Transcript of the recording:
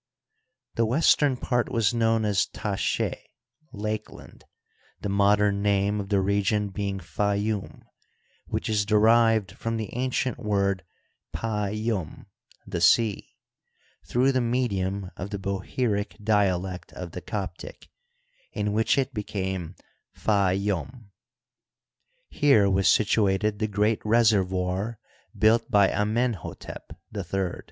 The western part was know as Ta she, Lakeland," the modem name of the re gion being Fayoum, which is derived from the ancient word Pa ySm, " the sea," through the medium of the Boheiric dialect of the Coptic, in which it became Pka ySm, Here was situated the ereat reservoir built by Amenhotep III. XXII.